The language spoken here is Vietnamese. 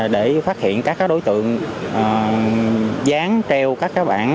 để phát hiện các đối tượng dán treo các bạn